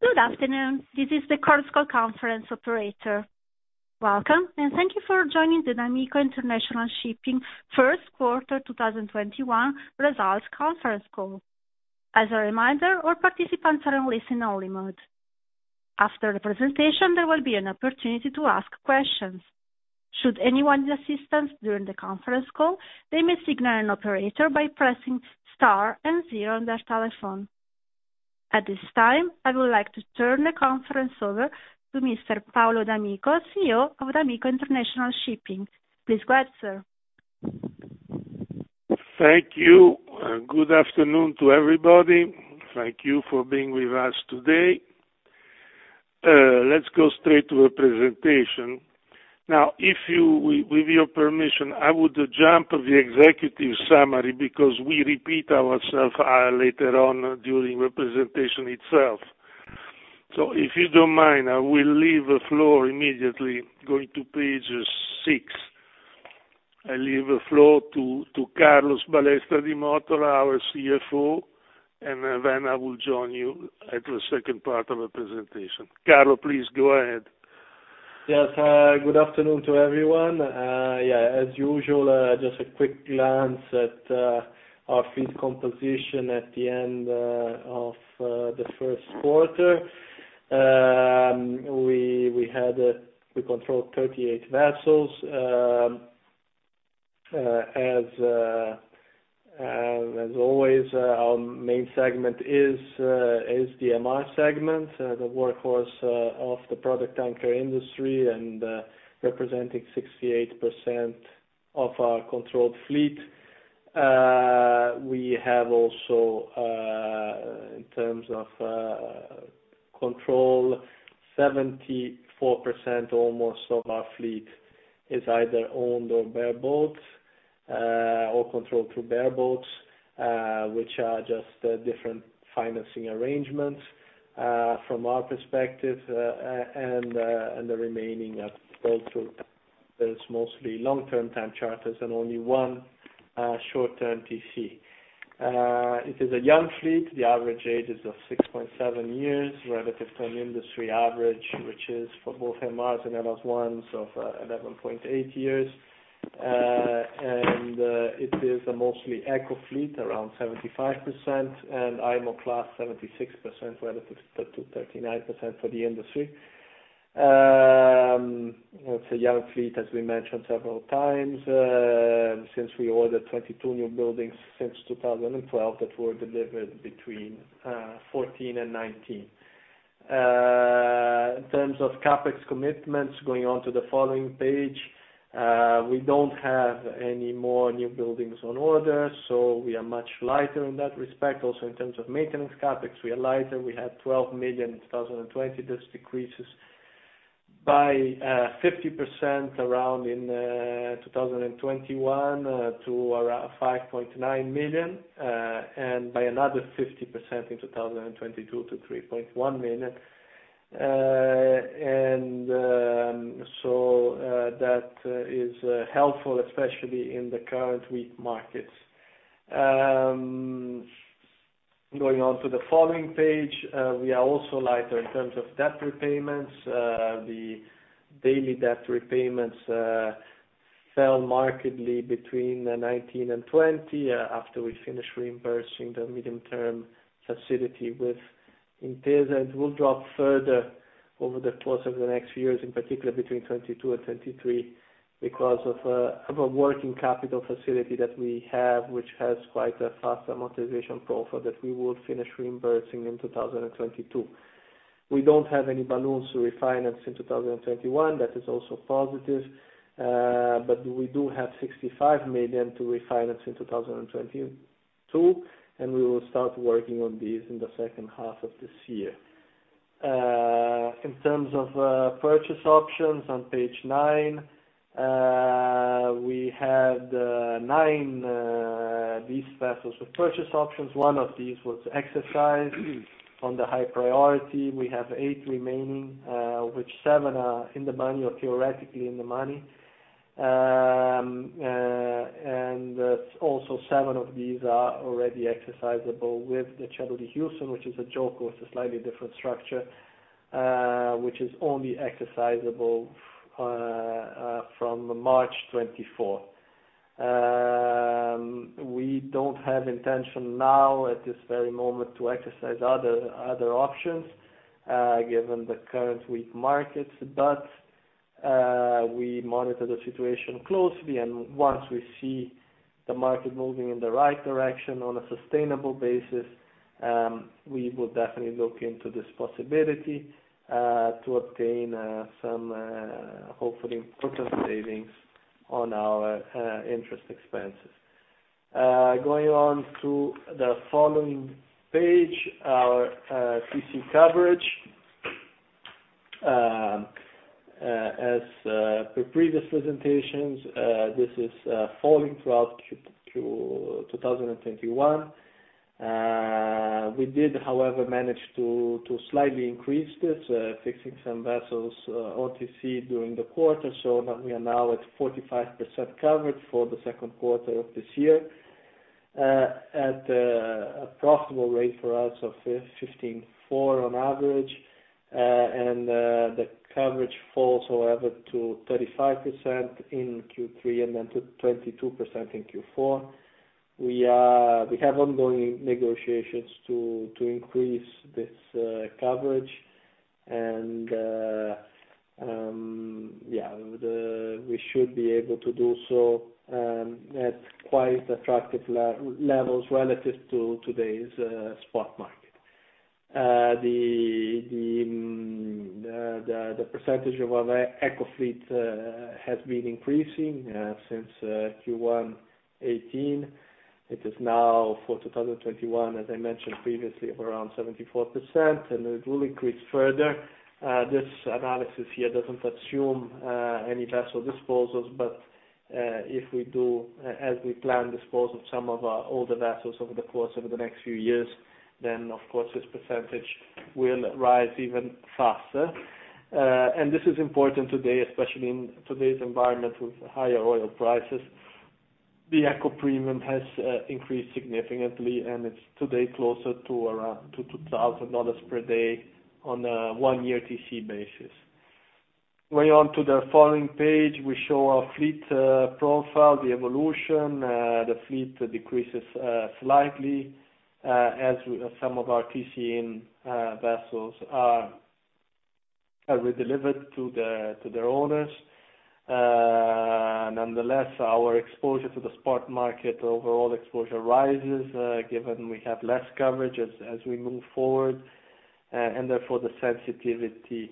Good afternoon. This is the Chorus Call conference operator. Welcome, and thank you for joining the d'Amico International Shipping First Quarter 2021 Results Conference Call. As a reminder, all participants are in listen only mode. After the presentation, there will be an opportunity to ask questions. Should anyone need assistance during the conference call, they may signal an operator by pressing star and zero on their telephone. At this time, I would like to turn the conference over to Mr. Paolo d'Amico, CEO of d'Amico International Shipping. Please go ahead, sir. Thank you. Good afternoon to everybody. Thank you for being with us today. Let's go straight to the presentation. With your permission, I would jump the executive summary because we repeat ourselves later on during presentation itself. If you don't mind, I will leave the floor immediately, going to page six. I leave the floor to Carlos Balestra di Mottola, our CFO, and then I will join you at the second part of the presentation. Carlos, please go ahead. Yes, good afternoon to everyone. As usual, just a quick glance at our fleet composition at the end of the first quarter. We control 38 vessels. As always, our main segment is the MR segment, the workhorse of the product tanker industry, representing 68% of our controlled fleet. We have also, in terms of control, 74% almost of our fleet is either owned or bareboat, or controlled through bareboats, which are just different financing arrangements from our perspective. The remaining are those mostly long-term time charters and only one short-term TC. It is a young fleet. The average age is of 6.7 years relative to an industry average, which is for both MRs and LR1s of 11.8 years. It is a mostly eco fleet, around 75%, IMO class 76%, relative to 39% for the industry. It's a young fleet, as we mentioned several times, since we ordered 22 new buildings since 2012 that were delivered between 2014 and 2019. In terms of CapEx commitments, going on to the following page, we don't have any more new buildings on order, so we are much lighter in that respect. Also, in terms of maintenance CapEx, we are lighter. We had $12 million in 2020. This decreases by 50% around in 2021 to around $5.9 million, and by another 50% in 2022 to $3.1 million. That is helpful, especially in the current weak markets. Going on to the following page, we are also lighter in terms of debt repayments. The daily debt repayments fell markedly between 2019 and 2020, after we finished reimbursing the medium term facility with Intesa. It will drop further over the course of the next years, in particular between 2022 and 2023, because of a working capital facility that we have, which has quite a fast amortization profile that we will finish reimbursing in 2022. We don't have any balloons to refinance in 2021. That is also positive. We do have $65 million to refinance in 2022, and we will start working on these in the second half of this year. In terms of purchase options on page nine, we had nine lease vessels with purchase options. One of these was exercised on the High Priority. We have eight remaining, which seven are in the money or theoretically in the money. Also seven of these are already exercisable with the Cielo di Houston, which is a JOLCO, with a slightly different structure, which is only exercisable from March 24th. We don't have intention now at this very moment to exercise other options given the current weak markets, but we monitor the situation closely, and once we see the market moving in the right direction on a sustainable basis, we will definitely look into this possibility, to obtain some hopefully important savings on our interest expenses. Going on to the following page, our TC coverage. As per previous presentations, this is falling throughout to 2021. We did, however, manage to slightly increase this, fixing some vessels OTC during the quarter so that we are now at 45% coverage for the second quarter of this year. At a profitable rate for us of $15.4 on average. The coverage falls, however, to 35% in Q3 and then to 22% in Q4. We have ongoing negotiations to increase this coverage. We should be able to do so at quite attractive levels relative to today's spot market. The percentage of our eco fleet has been increasing since Q1 2018. It is now for 2021, as I mentioned previously, of around 74%, and it will increase further. This analysis here doesn't assume any vessel disposals, but if we do, as we plan, dispose of some of our older vessels over the course of the next few years, then of course this percentage will rise even faster. This is important today, especially in today's environment with higher oil prices. The eco premium has increased significantly, and it's today closer to around $2,000 per day on a one-year TC basis. Going on to the following page, we show our fleet profile, the evolution. The fleet decreases slightly as some of our TC-in vessels are redelivered to their owners. Nonetheless, our exposure to the spot market, overall exposure rises, given we have less coverage as we move forward. Therefore, the sensitivity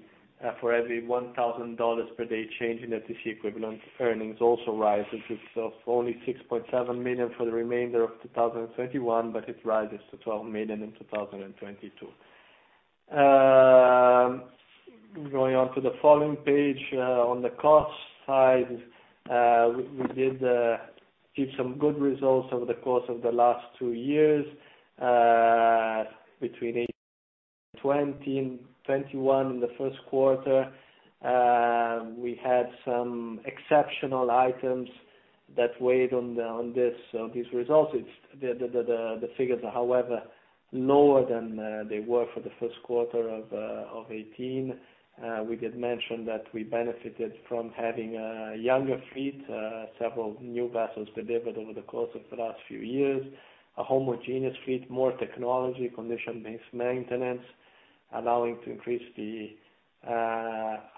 for every $1,000 per day change in TC equivalent earnings also rises. It's of only $6.7 million for the remainder of 2021, but it rises to $12 million in 2022. Going on to the following page, on the cost side, we did give some good results over the course of the last two years. Between 2020 and 2021, in the first quarter, we had some exceptional items that weighed on these results. The figures are, however, lower than they were for the first quarter of 2018. We did mention that we benefited from having a younger fleet, several new vessels delivered over the course of the last few years, a homogeneous fleet, more technology, Condition-Based Maintenance, allowing to increase the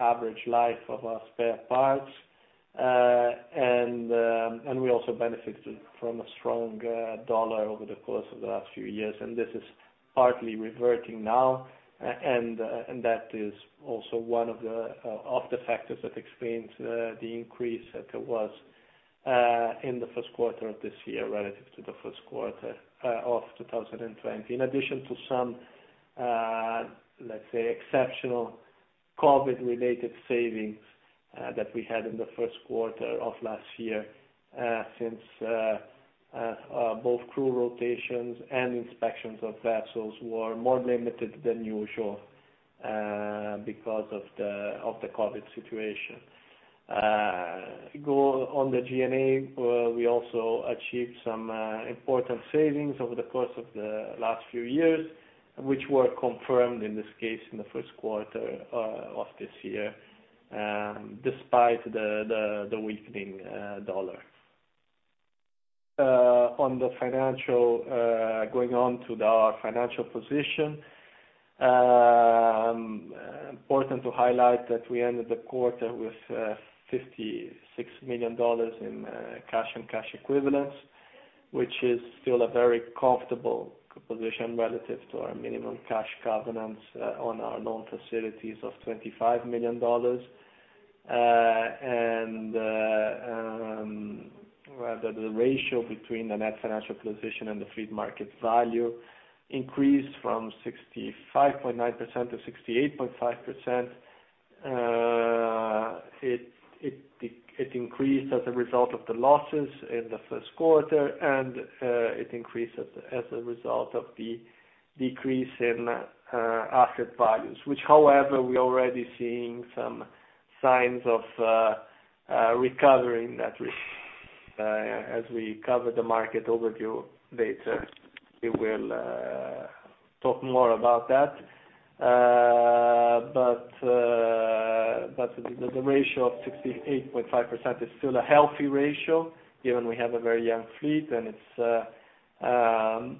average life of our spare parts. We also benefited from a strong dollar over the course of the last few years, and this is partly reverting now. That is also one of the factors that explains the increase that there was in the first quarter of this year relative to the first quarter of 2020. In addition to some, let's say, exceptional COVID related savings that we had in the first quarter of last year, since both crew rotations and inspections of vessels were more limited than usual because of the COVID situation. If you go on the G&A, we also achieved some important savings over the course of the last few years, which were confirmed in this case in the first quarter of this year, despite the weakening dollar. Going on to our financial position. Important to highlight that we ended the quarter with $56 million in cash and cash equivalents, which is still a very comfortable position relative to our minimum cash covenants on our loan facilities of $25 million. The ratio between the net financial position and the fleet market value increased from 65.9% to 68.5%. It increased as a result of the losses in the first quarter, and it increased as a result of the decrease in asset values, which however, we're already seeing some signs of recovering that risk. As we cover the market overview later, we will talk more about that. The ratio of 68.5% is still a healthy ratio given we have a very young fleet, and it's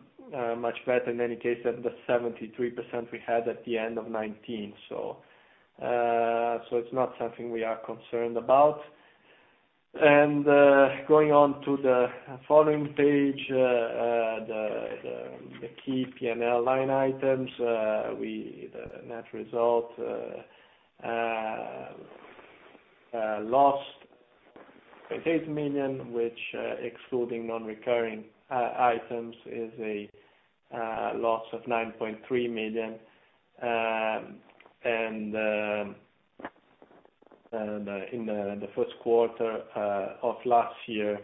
much better in any case than the 73% we had at the end of 2019. It's not something we are concerned about. Going on to the following page, the key P&L line items. The net result, lost $28 million, which, excluding non-recurring items, is a loss of $9.3 million. In the first quarter of last year,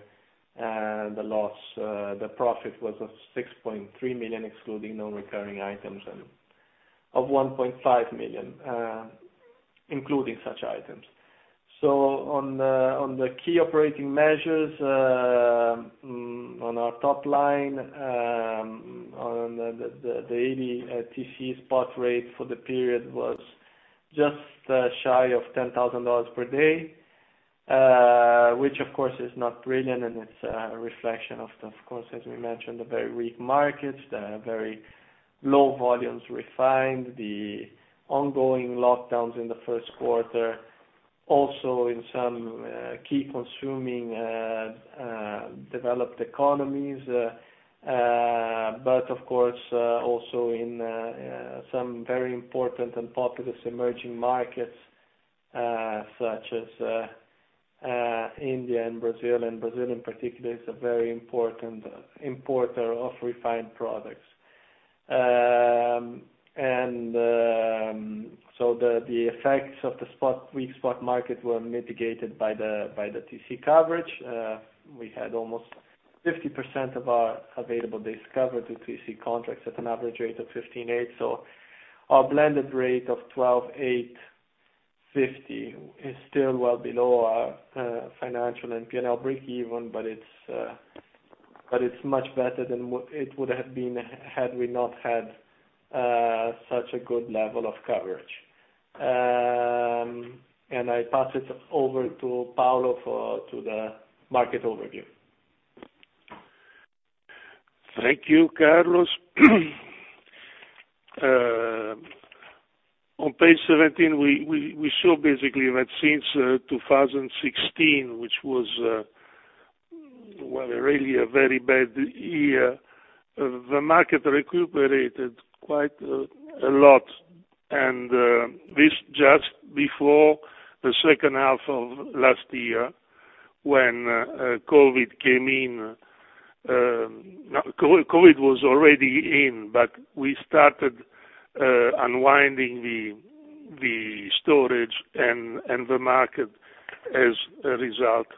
the profit was of $6.3 million, excluding non-recurring items and of $1.5 million, including such items. On the key operating measures on our top line, on the daily TC spot rate for the period was just shy of $10,000 per day, which of course is not brilliant and it's a reflection of the, of course, as we mentioned, the very weak markets, the very low volumes refined, the ongoing lockdowns in the first quarter, also in some key consuming developed economies. Of course, also in some very important and populous emerging markets, such as India and Brazil. Brazil in particular, is a very important importer of refined products. The effects of the weak spot market were mitigated by the TC coverage. We had almost 50% of our available days covered through TC contracts at an average rate of $15.8. Our blended rate of $12,850 is still well below our financial and P&L breakeven, but it's much better than it would have been, had we not had such a good level of coverage. I pass it over to Paolo for the market overview. Thank you, Carlos. On page 17, we saw basically that since 2016, which was, well, really a very bad year, the market recuperated quite a lot. This just before the second half of last year when COVID came in. No, COVID was already in, but we started unwinding the storage and the market, as a result,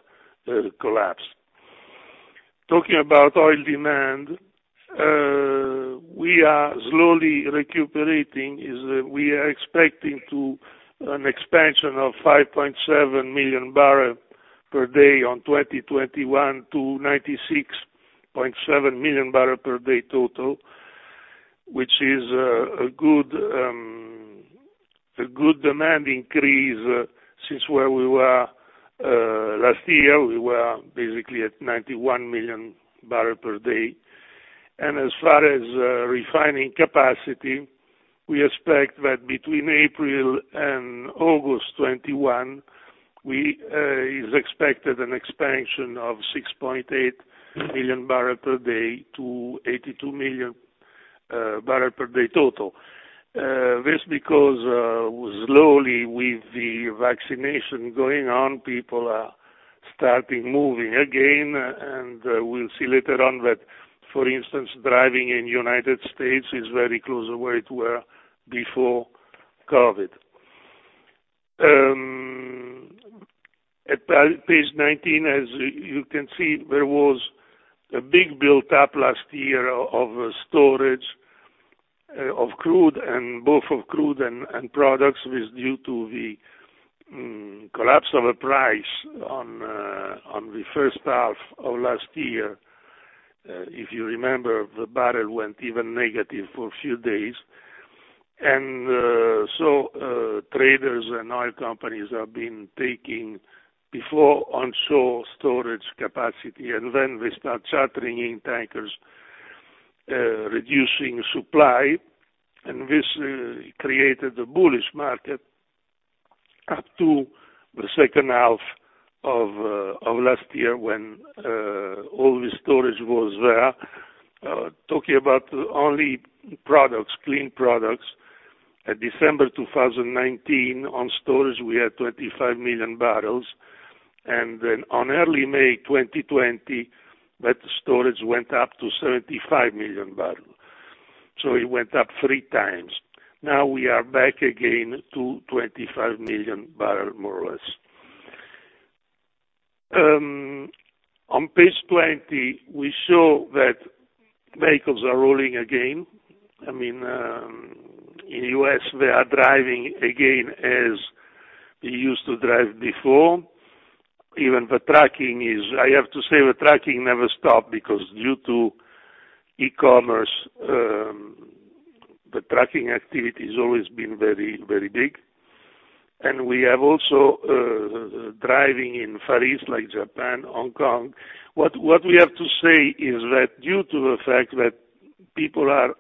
collapsed. Talking about oil demand, we are slowly recuperating, is we are expecting an expansion of 5.7 million barrel per day on 2021 to 96.7 million barrel per day total, which is a good demand increase since where we were last year. We were basically at 91 million barrel per day. As far as refining capacity, we expect that between April and August 2021, is expected an expansion of 6.8 million barrel per day to 82 million barrel per day total. This because, slowly with the vaccination going on, people are starting moving again, we'll see later on that, for instance, driving in the U.S. is very close to where it were before COVID. At page 19, as you can see, there was a big buildup last year of storage of crude, and both of crude and products was due to the collapse of a price on the first half of last year. If you remember, the barrel went even negative for a few days. Traders and oil companies have been taking before onshore storage capacity, and then they start chartering in tankers, reducing supply, and this created a bullish market up to the second half of last year when all the storage was there. Talking about only products, clean products, at December 2019, on storage, we had 25 million barrels. On early May 2020, that storage went up to 75 million barrel. It went up three times. We are back again to 25 million barrel, more or less. On page 20, we show that vehicles are rolling again. In U.S., they are driving again as they used to drive before. Even the trucking, I have to say, the trucking never stopped because due to e-commerce, the trucking activity has always been very big. We have also driving in Far East, like Japan, Hong Kong. What we have to say is that due to the fact that people are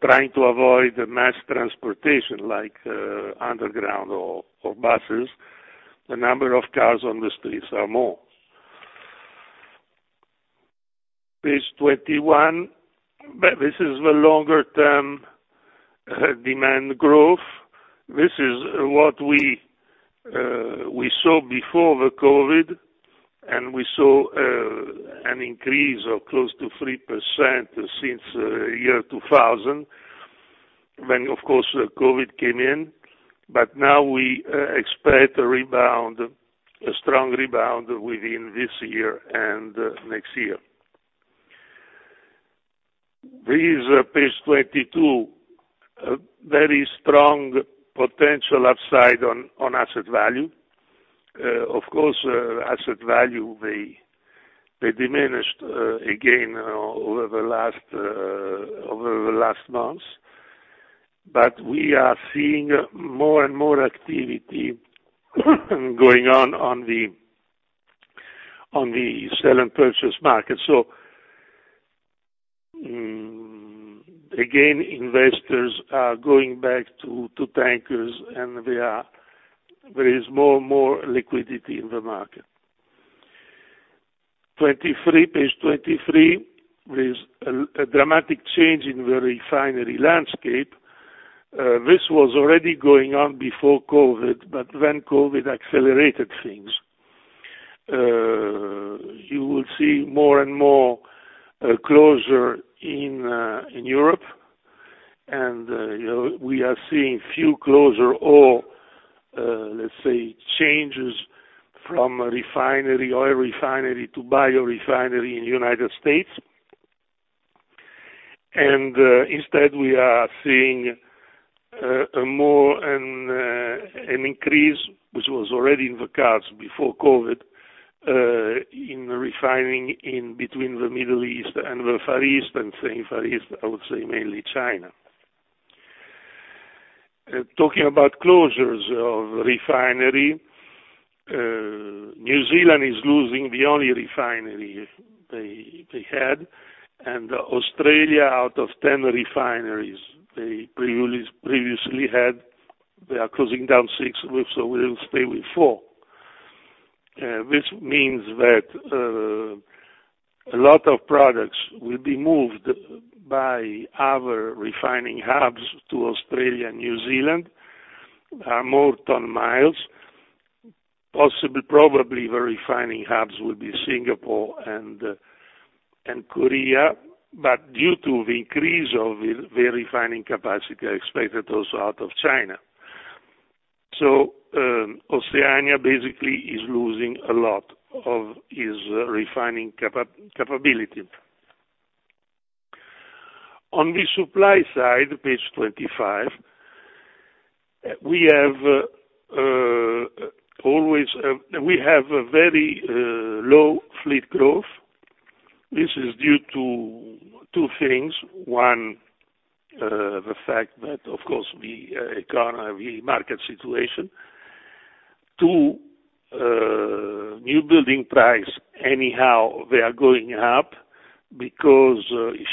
trying to avoid mass transportation, like underground or buses, the number of cars on the streets are more. Page 21. This is the longer-term demand growth. This is what we saw before the COVID, and we saw an increase of close to 3% since year 2000, when, of course, COVID came in. Now we expect a strong rebound within this year and next year. This page 22, very strong potential upside on asset value. Of course, asset value, they diminished again over the last months. We are seeing more and more activity going on the Sale and Purchase market. Again, investors are going back to tankers, and there is more liquidity in the market. Page 23, there is a dramatic change in the refinery landscape. This was already going on before COVID, but then COVID accelerated things. You will see more and more closure in Europe, and we are seeing few closure or, let's say, changes from refinery, oil refinery to biorefinery in the United States. Instead, we are seeing an increase, which was already in the cards before COVID, in refining between the Middle East and the Far East, and saying Far East, I would say mainly China. Talking about closures of refinery, New Zealand is losing the only refinery they had, and Australia, out of 10 refineries they previously had, they are closing down six, so we'll stay with four. This means that a lot of products will be moved by our refining hubs to Australia and New Zealand, more ton miles. Possibly, probably, the refining hubs will be Singapore and Korea. Due to the increase of the refining capacity expected also out of China. Oceania basically is losing a lot of its refining capability. On the supply side, page 25, we have a very low fleet growth. This is due to two things. One, the fact that, of course, the economy, the market situation. Two, new building price, anyhow, they are going up because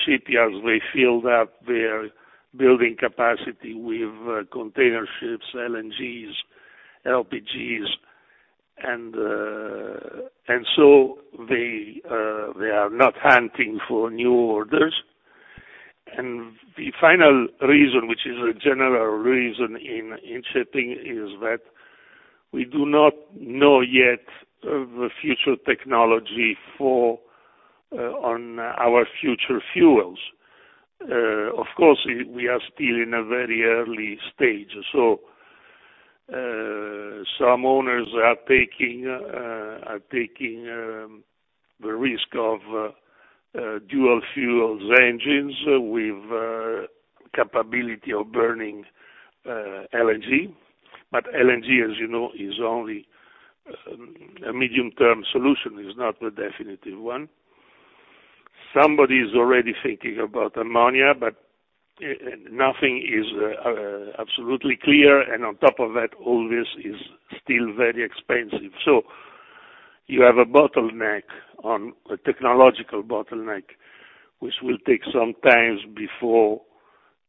shipyards, they feel that their building capacity with container ships, LNGs, LPGs, and so they are not hunting for new orders. The final reason, which is a general reason in shipping, is that we do not know yet the future technology on our future fuels. Of course, we are still in a very early stage, so some owners are taking the risk of dual-fuel engines with capability of burning LNG. LNG, as you know, is only a medium-term solution. It's not the definitive one. Somebody's already thinking about ammonia, but nothing is absolutely clear, and on top of that, all this is still very expensive. You have a bottleneck, a technological bottleneck, which will take some time before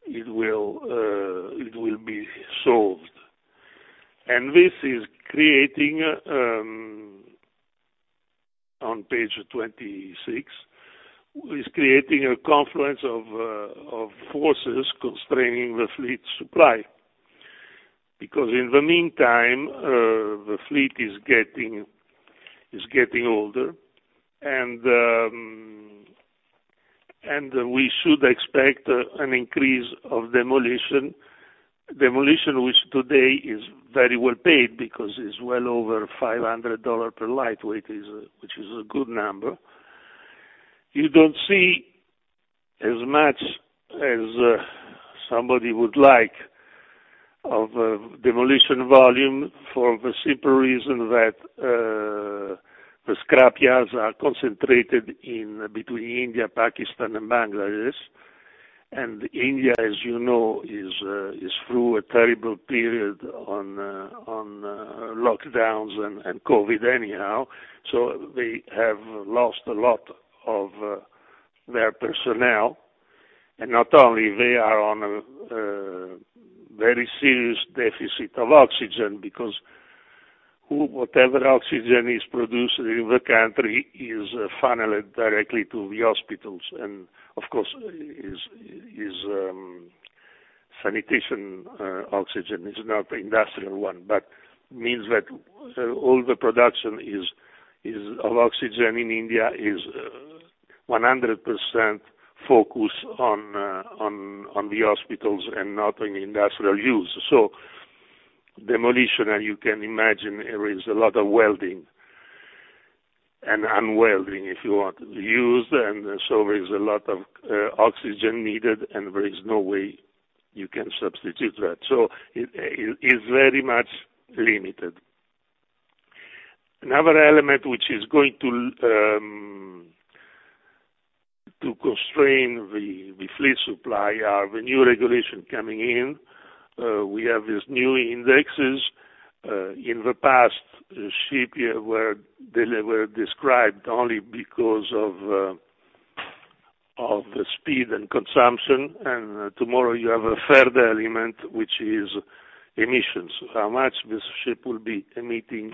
it will be solved. This is creating, on page 26, is creating a confluence of forces constraining the fleet supply. In the meantime, the fleet is getting older, and we should expect an increase of demolition. Demolition, which today is very well paid because it's well over $500 per lightweight, which is a good number. You don't see as much as somebody would like of demolition volume for the simple reason that the scrapyards are concentrated between India, Pakistan, and Bangladesh. India, as you know, is through a terrible period on lockdowns and COVID anyhow, so they have lost a lot of their personnel. Not only they are on a very serious deficit of oxygen because whatever oxygen is produced in the country is funneled directly to the hospitals. Of course, is sanitation oxygen. It's not the industrial one. Means that all the production of oxygen in India is 100% focus on the hospitals and not on industrial use. Demolition, as you can imagine, there is a lot of welding and unwelding, if you want, used, and so there is a lot of oxygen needed, and there is no way you can substitute that. It's very much limited. Another element which is going to constrain the fleet supply are the new regulation coming in. We have these new indexes. In the past, ships were described only because of the speed and consumption. Tomorrow you have a third element, which is emissions, how much this ship will be emitting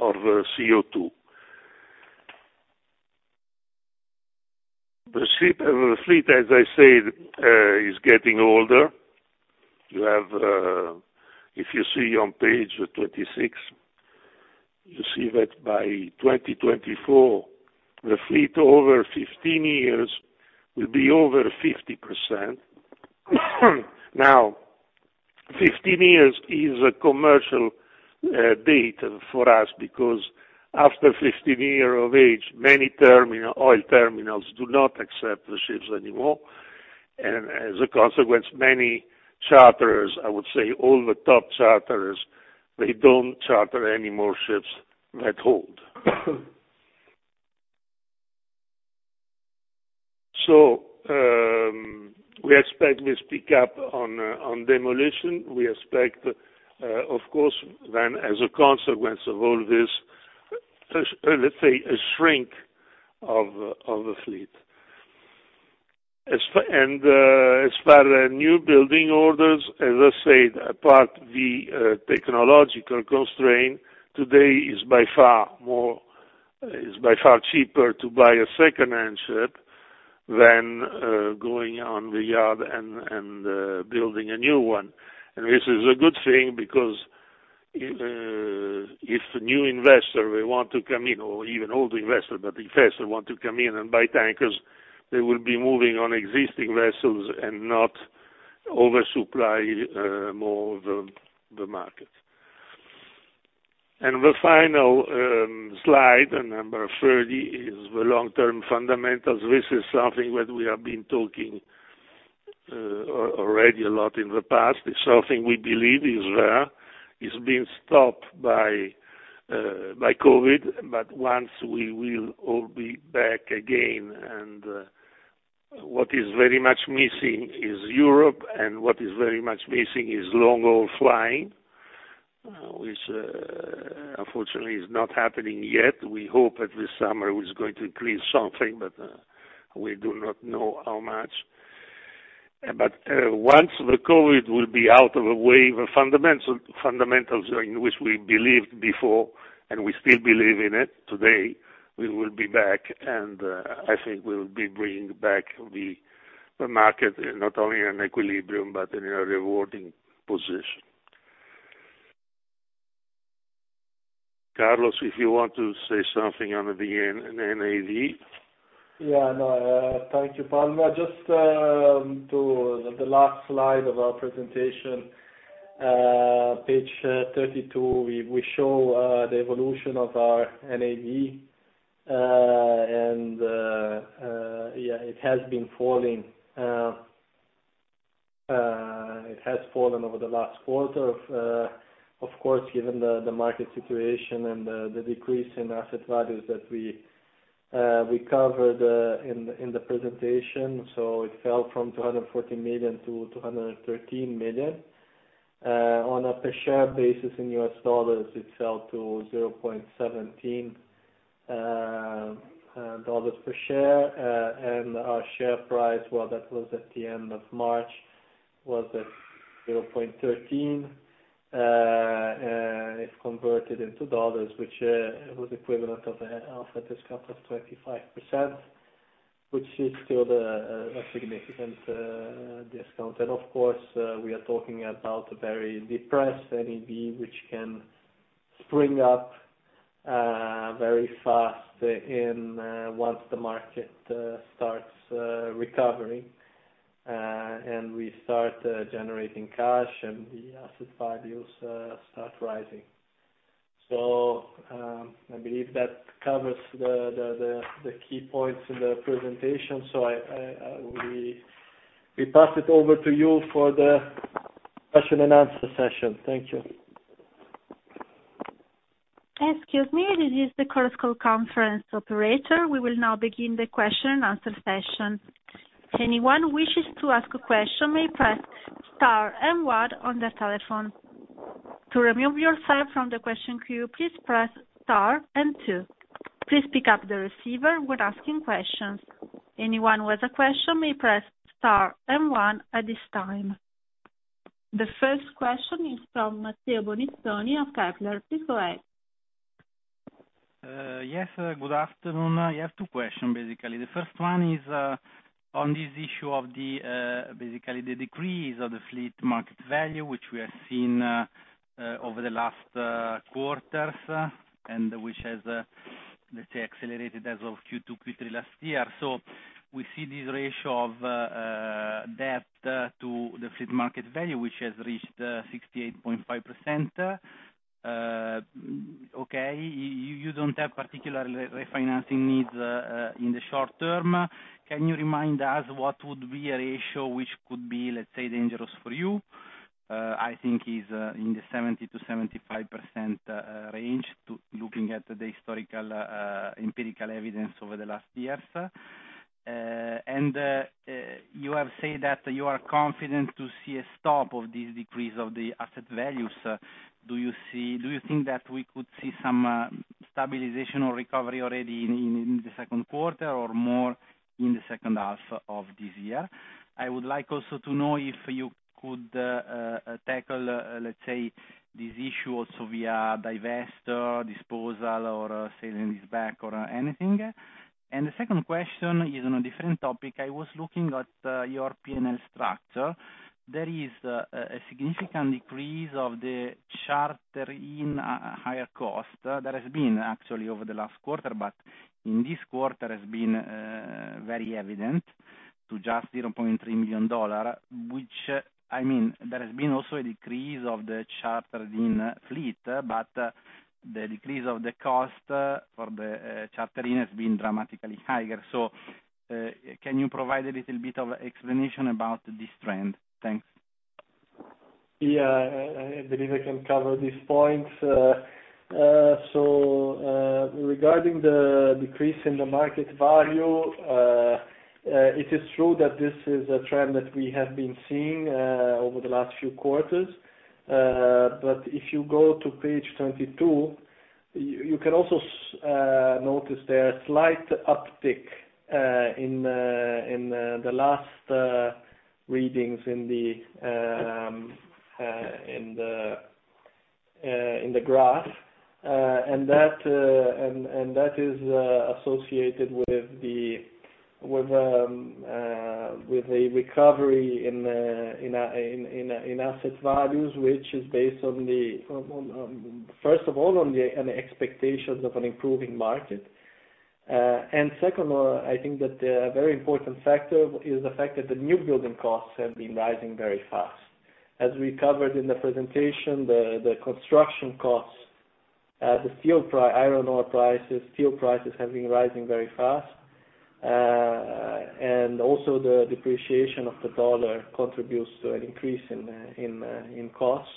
of CO2. The fleet, as I said, is getting older. If you see on page 26, you see that by 2024, the fleet over 15 years will be over 50%. Now, 15 years is a commercial date for us because after 15 year of age, many oil terminals do not accept the ships anymore. As a consequence, many charterers, I would say all the top charterers, they don't charter any more ships that old. We expect this pickup on demolition. We expect, of course, then as a consequence of all this, let's say, a shrink of the fleet. As far as new building orders, as I said, apart the technological constraint, today is by far cheaper to buy a secondhand ship than going on the yard and building a new one. This is a good thing because if a new investor will want to come in, or even older investor, but investor want to come in and buy tankers, they will be moving on existing vessels and not oversupply more the market. The final slide number 30 is the long-term fundamentals. This is something that we have been talking already a lot in the past. It's something we believe is there. It's been stopped by COVID, but once we will all be back again, and what is very much missing is Europe, and what is very much missing is long-haul flying, which unfortunately is not happening yet. We hope that this summer is going to increase something, but we do not know how much. Once the COVID will be out of the way, the fundamentals in which we believed before, and we still believe in it today, we will be back. I think we will be bringing back the market, not only in equilibrium, but in a rewarding position. Carlos, if you want to say something on the NAV? Yeah, no. Thank you, Paolo. Just to the last slide of our presentation, page 32, we show the evolution of our NAV. Yeah, it has been falling. It has fallen over the last quarter. Of course, given the market situation and the decrease in asset values that we covered in the presentation. It fell from $240 million to $213 million. On a per share basis in US dollars, it fell to $0.17 per share. Our share price, well, that was at the end of March, was at $0.13, if converted into dollars, which was equivalent of an alpha discount of 25%, which is still a significant discount. Of course, we are talking about a very depressed NAV, which can spring up very fast once the market starts recovering, and we start generating cash, and the asset values start rising. I believe that covers the key points in the presentation. We pass it over to you for the question and answer session. Thank you. Excuse me. This is the Chorus Call conference operator. We will now begin the question and answer session. If anyone wishes to ask a question, may press star and one on their telephone. To remove yourself from the question queue, please press star and two. Please pick up the receiver when asking questions. Anyone with a question may press star and one at this time. The first question is from Matteo Bonizzoni of Kepler. Please go ahead. Yes, good afternoon. I have two questions, basically. The first one is on this issue of basically the decrease of the fleet market value, which we have seen over the last quarters, and which has, let's say, accelerated as of Q2, Q3 last year. We see this ratio of debt to the fleet market value, which has reached 68.5%. Okay, you don't have particular refinancing needs in the short term. Can you remind us what would be a ratio which could be, let's say, dangerous for you? I think it's in the 70%-75% range, looking at the historical empirical evidence over the last years. You have said that you are confident to see a stop of this decrease of the asset values. Do you think that we could see some stabilization or recovery already in the second quarter, or more in the second half of this year? I would like also to know if you could tackle, let's say, this issue also via divest, disposal, or sale-leaseback, or anything. The second question is on a different topic. I was looking at your P&L structure. There is a significant decrease of the charter in higher cost. There has been actually over the last quarter, but in this quarter has been very evident to just $0.3 million, which, I mean, there has been also a decrease of the chartered in fleet, but the decrease of the cost for the charter in has been dramatically higher. Can you provide a little bit of explanation about this trend? Thanks. Yeah, I believe I can cover these points. Regarding the decrease in the market value, it is true that this is a trend that we have been seeing over the last few quarters. If you go to page 22, you can also notice there a slight uptick in the last readings in the graph. That is associated with a recovery in asset values, which is based, first of all, on the expectations of an improving market. Second of all, I think that a very important factor is the fact that the new building costs have been rising very fast. As we covered in the presentation, the construction costs, the iron ore prices, steel prices, have been rising very fast. Also the depreciation of the dollar contributes to an increase in costs.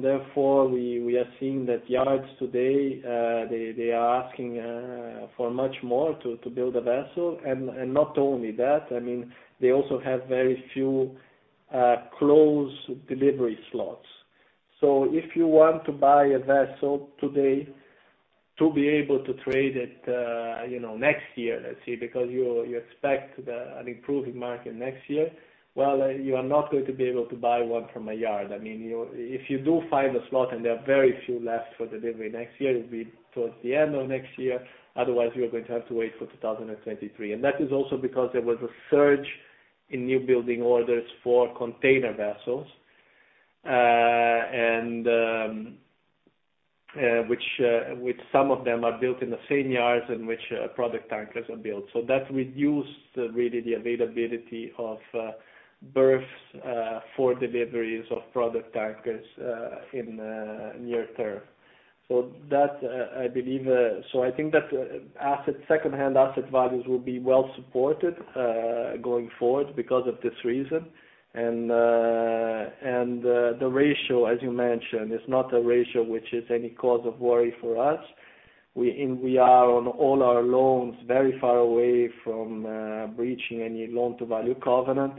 Therefore, we are seeing that yards today, they are asking for much more to build a vessel. Not only that, they also have very few closed delivery slots. If you want to buy a vessel today to be able to trade it next year, let's say, because you expect an improving market next year, well, you are not going to be able to buy one from a yard. If you do find a slot, and there are very few left for delivery next year, it will be towards the end of next year. Otherwise, you are going to have to wait for 2023. That is also because there was a surge in new building orders for container vessels, and which some of them are built in the same yards in which product tankers are built. That reduced, really, the availability of berths for deliveries of product tankers in the near term. I think that second-hand asset values will be well supported, going forward, because of this reason. The ratio, as you mentioned, is not a ratio which is any cause of worry for us. We are, on all our loans, very far away from breaching any loan-to-value covenant.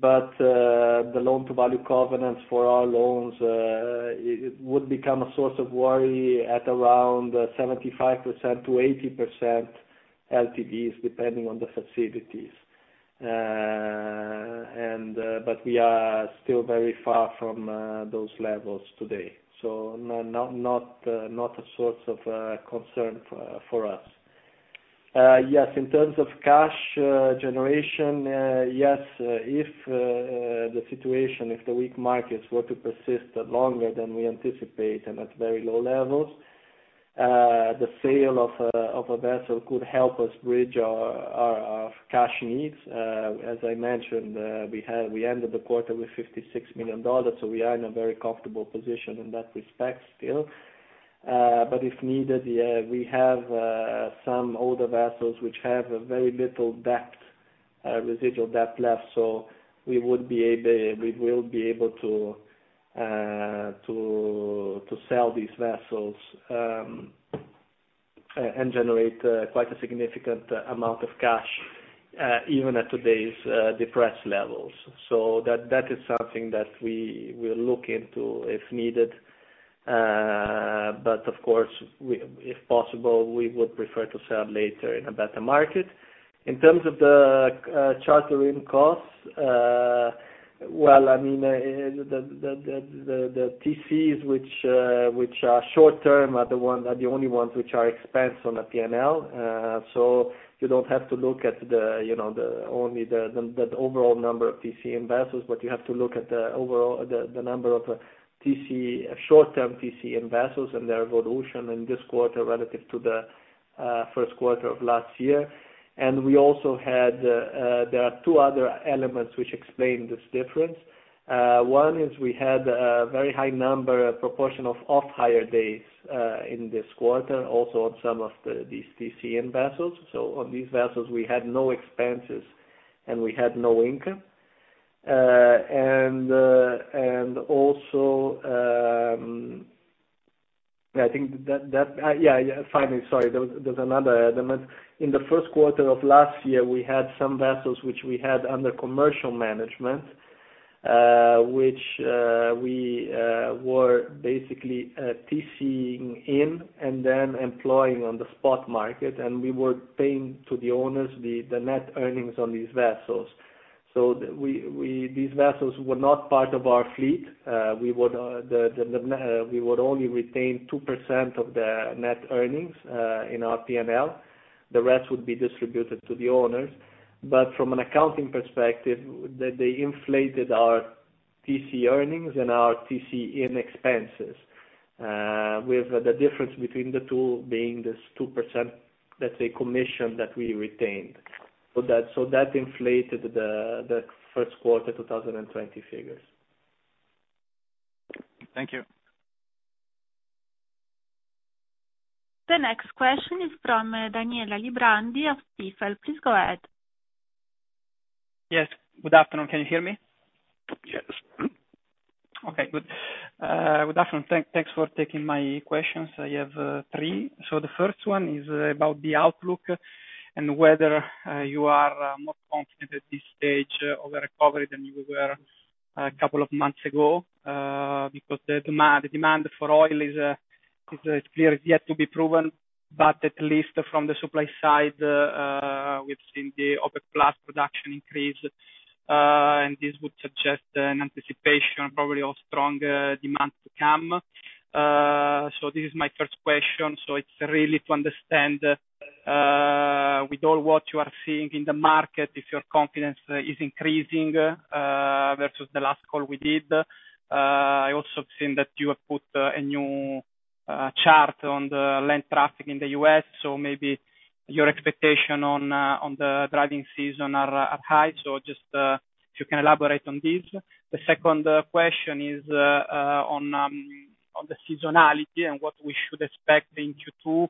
The loan-to-value covenants for our loans, it would become a source of worry at around 75% to 80% LTVs, depending on the facilities. We are still very far from those levels today. Not a source of concern for us. Yes, in terms of cash generation, yes, if the situation, if the weak markets were to persist longer than we anticipate and at very low levels, the sale of a vessel could help us bridge our cash needs. As I mentioned, we ended the quarter with $56 million, we are in a very comfortable position in that respect still. If needed, we have some older vessels which have a very little residual debt left. We will be able to sell these vessels, and generate quite a significant amount of cash, even at today's depressed levels. That is something that we will look into if needed. Of course, if possible, we would prefer to sell later in a better market. In terms of the chartering costs, well, the TCs which are short term are the only ones which are expensed on a P&L. You don't have to look at only the overall number of TC in vessels, but you have to look at the number of short-term TC in vessels and their evolution in this quarter relative to the first quarter of last year. There are two other elements which explain this difference. One is we had a very high number, proportion of off-hire days in this quarter also on some of these TC-in vessels. On these vessels, we had no expenses and we had no income. Finally, sorry, there was another element. In the first quarter of last year, we had some vessels which we had under commercial management, which we were basically TC'ing in and then employing on the spot market, and we were paying to the owners the net earnings on these vessels. These vessels were not part of our fleet. We would only retain 2% of the net earnings, in our P&L. The rest would be distributed to the owners. From an accounting perspective, they inflated our TC earnings and our TC-in expenses, with the difference between the two being this 2%, let's say, commission that we retained. That inflated the first quarter 2020 figures. Thank you. The next question is from Daniele Alibrandi of Stifel. Please go ahead. Yes, good afternoon. Can you hear me? Yes. Okay, good. Good afternoon. Thanks for taking my questions. I have three. The first one is about the outlook and whether you are more confident at this stage of the recovery than you were a couple of months ago, because the demand for oil is clear, is yet to be proven. At least from the supply side, we've seen the OPEC+ production increase, and this would suggest an anticipation probably of strong demand to come. This is my first question. It's really to understand, with all what you are seeing in the market, if your confidence is increasing, versus the last call we did. I also have seen that you have put a new chart on the land traffic in the U.S., so maybe your expectation on the driving season are high. Just, if you can elaborate on this. The second question is on the seasonality and what we should expect in Q2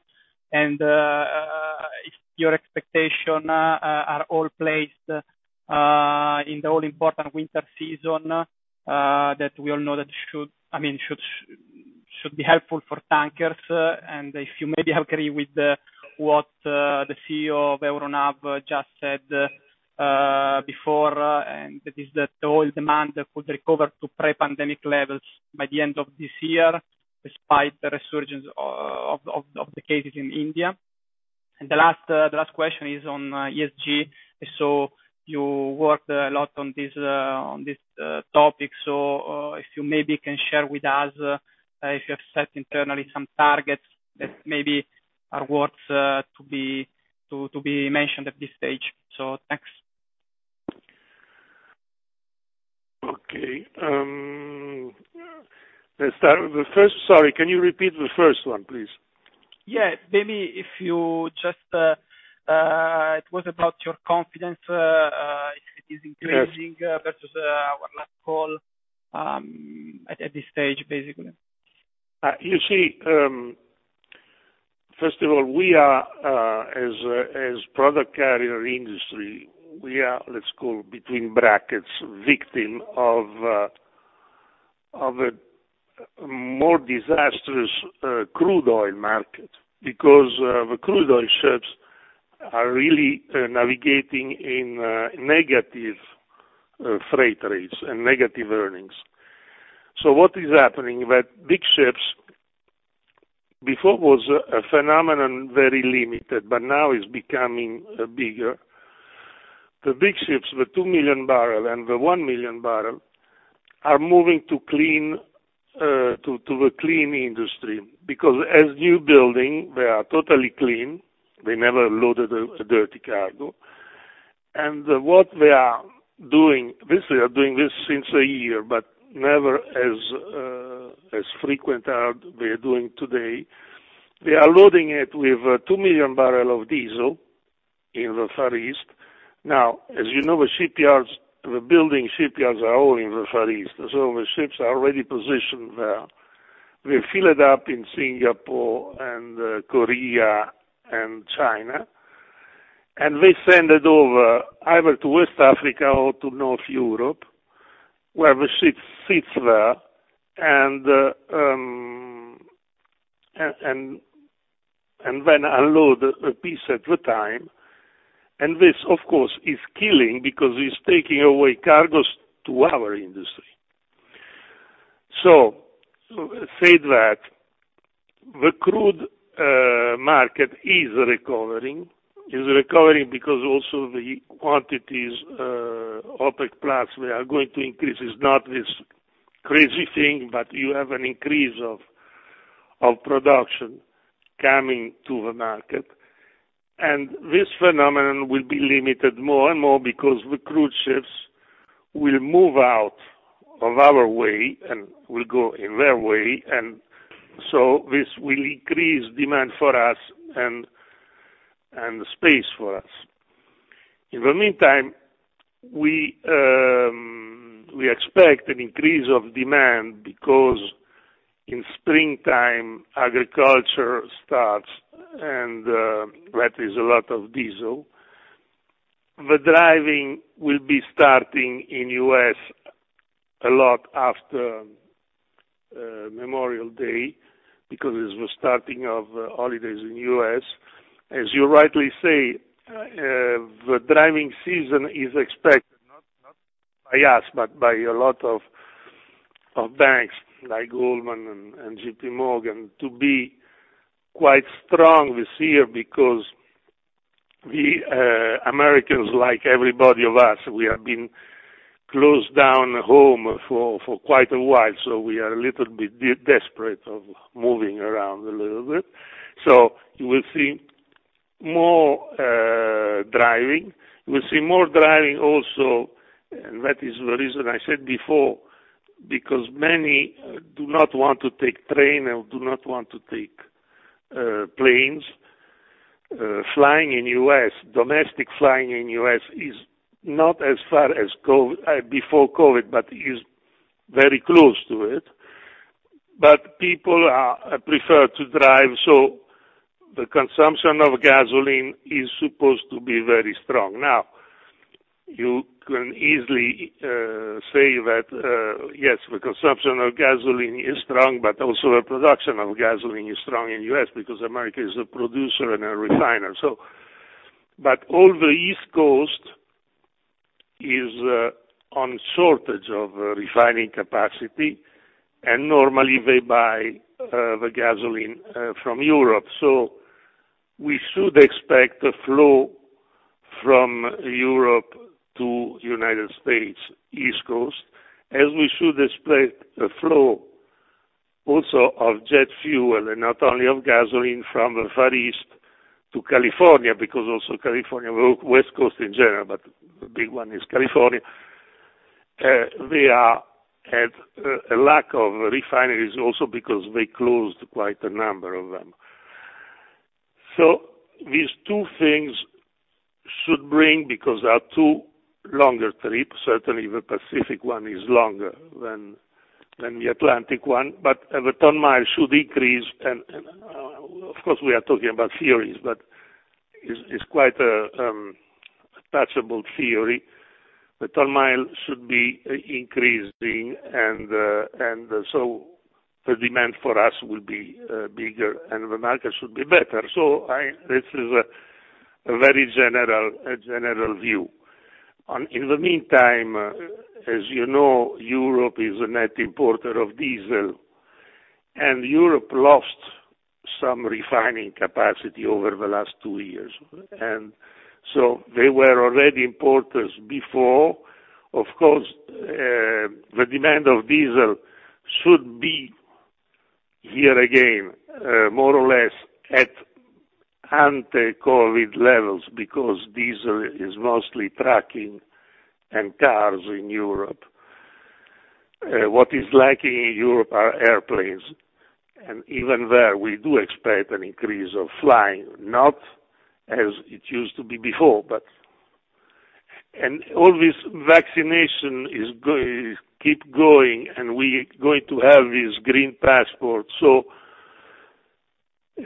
and, if your expectation are all placed, in the all-important winter season, that we all know that should be helpful for tankers. If you maybe agree with what the CEO of Euronav just said before, and that is that oil demand could recover to pre-pandemic levels by the end of this year, despite the resurgence of the cases in India. The last question is on ESG. You worked a lot on this topic. If you maybe can share with us if you have set internally some targets that maybe are worth to be mentioned at this stage. Thanks. Okay. Sorry, can you repeat the first one, please? Yeah. Maybe It was about your confidence, if it is increasing? Yes. Versus our last call, at this stage, basically. You see, first of all, we are, as product carrier industry, we are, let's call between brackets, victim of a more disastrous crude oil market, because the crude oil ships are really navigating in negative freight rates and negative earnings. What is happening, that big ships, before was a phenomenon very limited, but now it's becoming bigger. The big ships, the 2 million barrel and the 1 million barrel, are moving to the clean industry because as new building, they are totally clean. They never loaded a dirty cargo. What they are doing, they are doing this since a year, but never as frequent as they're doing today. They are loading it with 2 million barrel of diesel in the Far East. Now, as you know, the building shipyards are all in the Far East, so the ships are already positioned there. They fill it up in Singapore and Korea and China, they send it over either to West Africa or to North Europe, where the ship sits there and then unload a piece at a time. This, of course, is killing because it is taking away cargoes to our industry. Said that, the crude market is recovering because also the quantities, OPEC+ are going to increase. It's not this crazy thing, but you have an increase of production coming to the market, this phenomenon will be limited more and more because the crude ships will move out of our way and will go in their way. This will increase demand for us and space for us. In the meantime, we expect an increase of demand because in springtime, agriculture starts, that is a lot of diesel. The driving will be starting in U.S. a lot after Memorial Day because it's the starting of holidays in U.S. As you rightly say, the driving season is expected, not by us, but by a lot of banks like Goldman and JPMorgan, to be quite strong this year because we, Americans, like everybody of us, we have been closed down home for quite a while. We are a little bit desperate of moving around a little bit. You will see more driving. You will see more driving also, and that is the reason I said before, because many do not want to take train or do not want to take planes. Domestic flying in U.S. is not as far as before COVID, but is very close to it. People prefer to drive, so the consumption of gasoline is supposed to be very strong. You can easily say that, yes, the consumption of gasoline is strong, but also the production of gasoline is strong in the U.S. because America is a producer and a refiner. All the East Coast is on shortage of refining capacity, and normally they buy the gasoline from Europe. We should expect a flow from Europe to U.S. East Coast, as we should expect a flow also of jet fuel, and not only of gasoline from the Far East to California, because also California, West Coast in general, but the big one is California. They had a lack of refineries also because they closed quite a number of them. These two things should bring, because there are two longer trips, certainly the Pacific one is longer than the Atlantic one, but the ton mile should increase, and of course, we are talking about theories, but it's quite a touchable theory. The ton mile should be increasing, and so the demand for us will be bigger, and the market should be better. This is a very general view. In the meantime, as you know, Europe is a net importer of diesel, and Europe lost some refining capacity over the last two years. They were already importers before. Of course, the demand of diesel should be here again, more or less at anti-COVID levels, because diesel is mostly trucking and cars in Europe. What is lacking in Europe are airplanes. Even there, we do expect an increase of flying, not as it used to be before. All this vaccination keep going, and we going to have this green passport.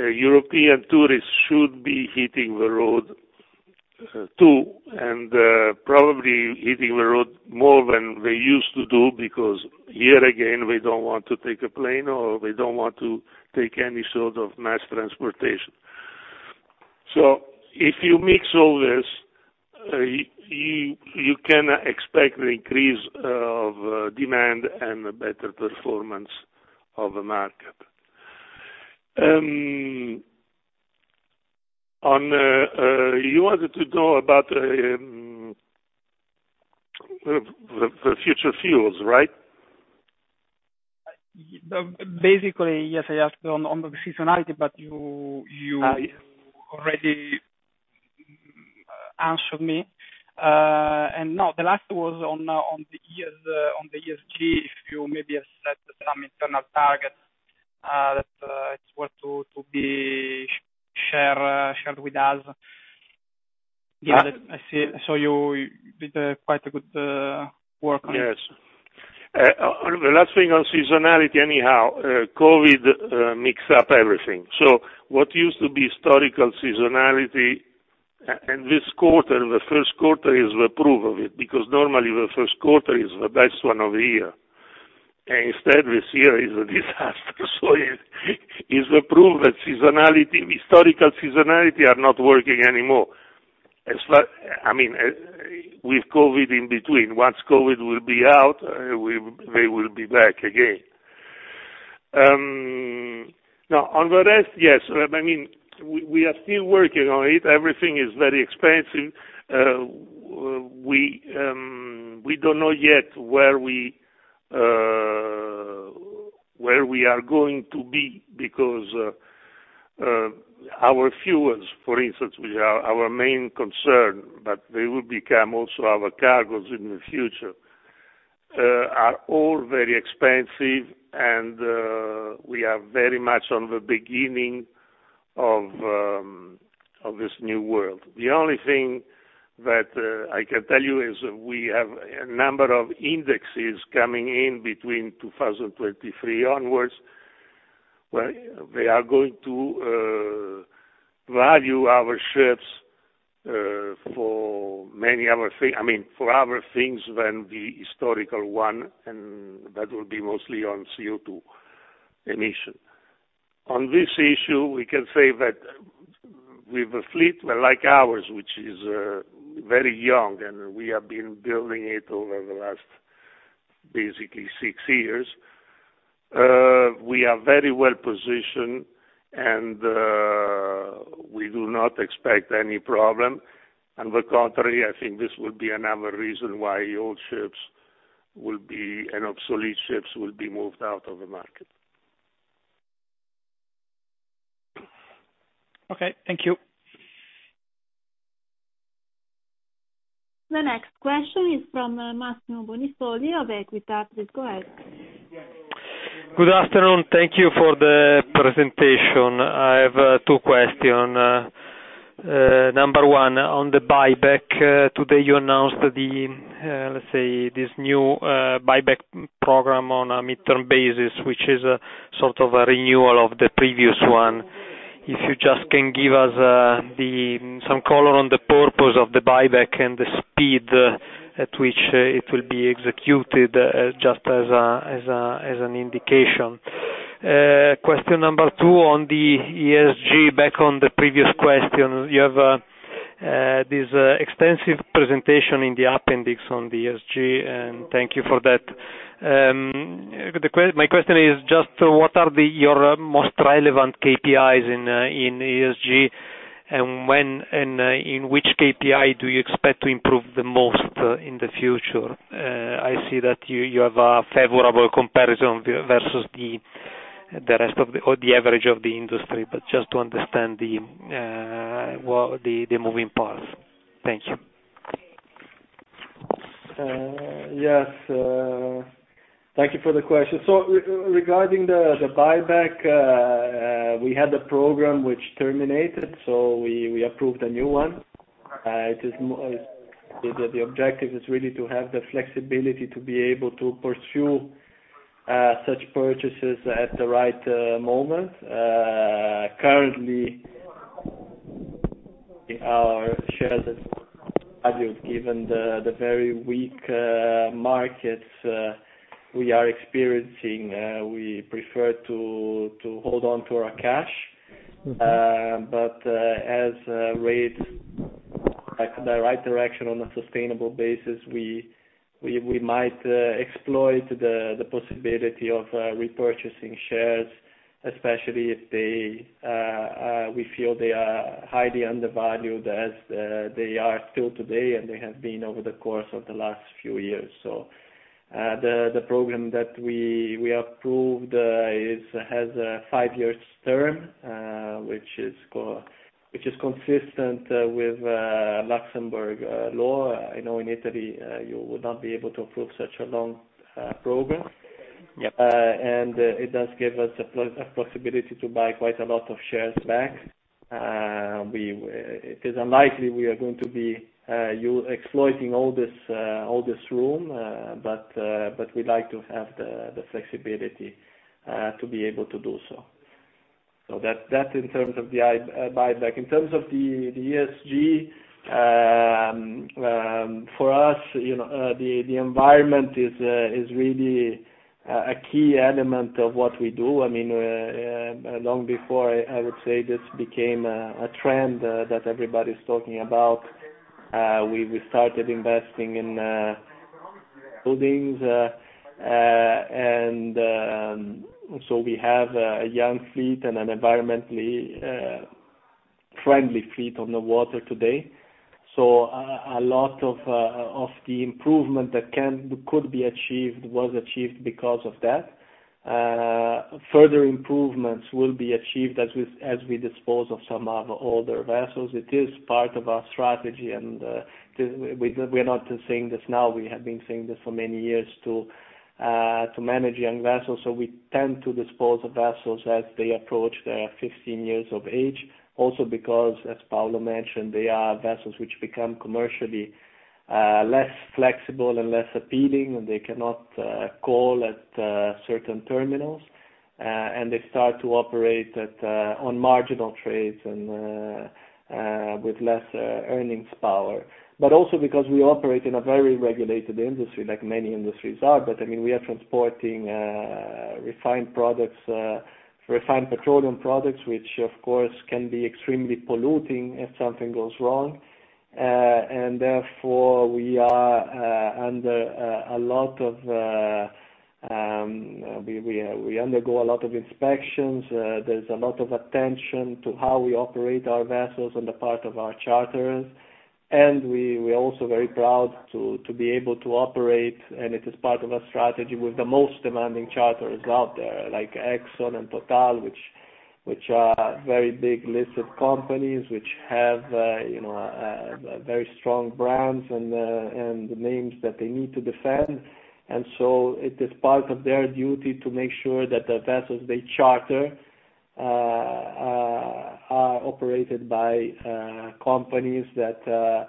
European tourists should be hitting the road, too, and probably hitting the road more than they used to do, because here again, we don't want to take a plane, or we don't want to take any sort of mass transportation. If you mix all this, you can expect the increase of demand and a better performance of the market. You wanted to know about the future fuels, right? Basically, yes, I asked on the seasonality, but you already answered me. No, the last was on the ESG, if you maybe have set some internal targets, that it's worth to be shared with us. I saw you did quite a good work on it. Yes. Last thing on seasonality anyhow. COVID mixed up everything. What used to be historical seasonality, and this quarter, the first quarter, is the proof of it, because normally the first quarter is the best one of the year. Instead, this year is a disaster. It is the proof that historical seasonality are not working anymore. I mean, with COVID in between. Once COVID will be out, they will be back again. On the rest, yes. We are still working on it. Everything is very expensive. We don't know yet where we are going to be because our fuels, for instance, which are our main concern, but they will become also our cargoes in the future, are all very expensive, and we are very much on the beginning of this new world. The only thing that I can tell you is we have a number of indexes coming in between 2023 onwards, where they are going to value our ships for other things than the historical one, and that will be mostly on CO2 emission. On this issue, we can say that with a fleet like ours, which is very young, and we have been building it over the last, basically, six years, we are very well-positioned, and we do not expect any problem. On the contrary, I think this will be another reason why old ships and obsolete ships will be moved out of the market. Okay. Thank you. The next question is from Massimo Bonisoli of Equita. Please go ahead. Good afternoon. Thank you for the presentation. I have two questions. Number one, on the buyback. Today, you announced, let's say, this new buyback program on a midterm basis, which is sort of a renewal of the previous one. If you just can give us some color on the purpose of the buyback and the speed at which it will be executed, just as an indication. Question number two on the ESG. Back on the previous question, you have this extensive presentation in the appendix on the ESG, and thank you for that. My question is just what are your most relevant KPIs in ESG, and in which KPI do you expect to improve the most in the future? I see that you have a favorable comparison versus the average of the industry, but just to understand the moving parts. Thank you. Yes. Thank you for the question. Regarding the buyback, we had a program which terminated. We approved a new one. The objective is really to have the flexibility to be able to pursue such purchases at the right moment. Currently, our shares are undervalued given the very weak markets we are experiencing. We prefer to hold on to our cash. As rates go in the right direction on a sustainable basis, we might exploit the possibility of repurchasing shares, especially if we feel they are highly undervalued as they are still today, and they have been over the course of the last few years. The program that we approved has a five years term, which is consistent with Luxembourg law. I know in Italy, you would not be able to approve such a long program. Yep. It does give us a possibility to buy quite a lot of shares back. It is unlikely we are going to be exploiting all this room, but we'd like to have the flexibility to be able to do so. That's in terms of the buyback. In terms of the ESG, for us, the environment is really a key element of what we do. I mean, long before, I would say, this became a trend that everybody's talking about, we started investing in buildings, and so we have a young fleet and an environmentally friendly fleet on the water today. A lot of the improvement that could be achieved was achieved because of that. Further improvements will be achieved as we dispose of some of older vessels. It is part of our strategy, and we're not just saying this now. We have been saying this for many years to manage young vessels. We tend to dispose of vessels as they approach their 15 years of age. As Paolo mentioned, they are vessels which become commercially less flexible and less appealing, and they cannot call at certain terminals, and they start to operate on marginal trades and with less earnings power. We operate in a very regulated industry, like many industries are. I mean, we are transporting refined petroleum products, which, of course, can be extremely polluting if something goes wrong. And therefore, we undergo a lot of inspections. There's a lot of attention to how we operate our vessels on the part of our charterers. We're also very proud to be able to operate, and it is part of our strategy, with the most demanding charterers out there, like Exxon and Total, which are very big listed companies, which have very strong brands and names that they need to defend. It is part of their duty to make sure that the vessels they charter are operated by companies that are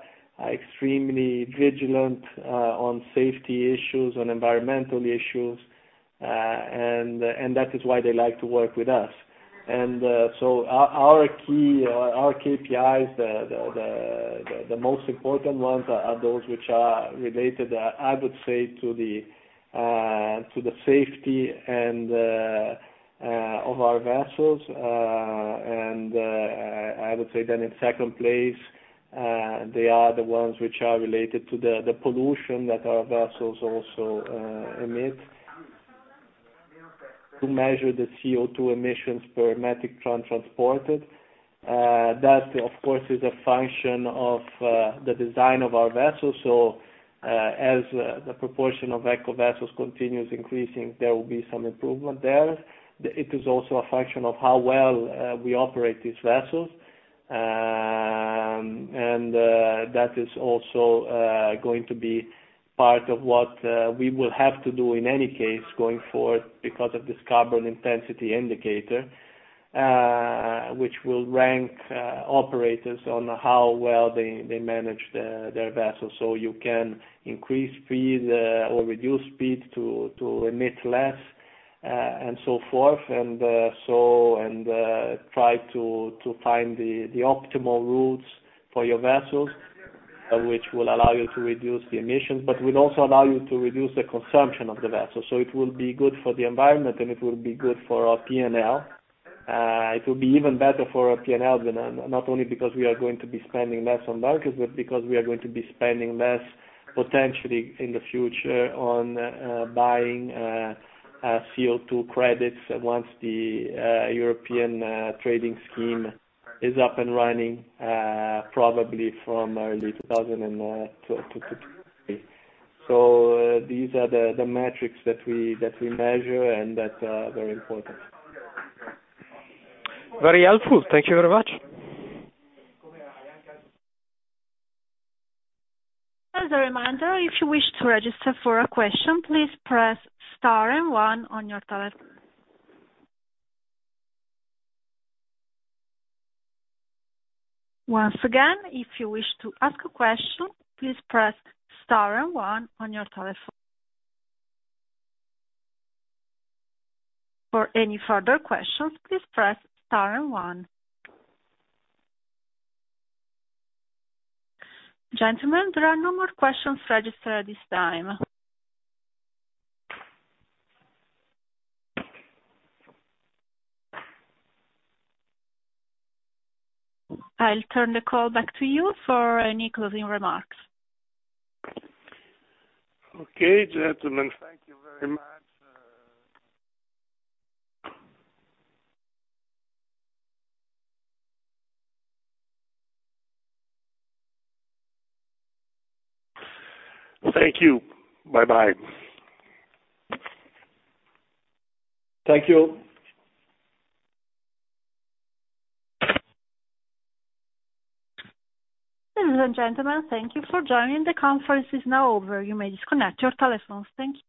extremely vigilant on safety issues, on environmental issues, and that is why they like to work with us. Our KPIs, the most important ones, are those which are related, I would say, to the safety of our vessels. I would say then in second place, they are the ones which are related to the pollution that our vessels also emit. To measure the CO2 emissions per metric ton transported, that of course is a function of the design of our vessels. As the proportion of eco vessels continues increasing, there will be some improvement there. It is also a function of how well we operate these vessels. That is also going to be part of what we will have to do in any case, going forward, because of this carbon intensity indicator, which will rank operators on how well they manage their vessels, so you can increase speed or reduce speed to emit less and so forth, and try to find the optimal routes for your vessels, which will allow you to reduce the emissions, but will also allow you to reduce the consumption of the vessels. It will be good for the environment, and it will be good for our P&L. It will be even better for our P&L, not only because we are going to be spending less on bunkers, but because we are going to be spending less, potentially, in the future on buying CO2 credits once the European trading scheme is up and running, probably from early 2023. These are the metrics that we measure, and that are very important. Very helpful. Thank you very much. As a reminder if you wish to register for a question, please press star and one on your telephone. For any further questions, please press star and one. Gentlemen, there are no more questions registered at this time. I'll turn the call back to you for any closing remarks. Okay, gentlemen. Thank you very much. Thank you. Bye-bye. Thank you. Ladies and gentlemen, thank you for joining. The conference is now over. You may disconnect your telephones. Thank you.